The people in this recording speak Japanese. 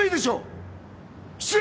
失礼！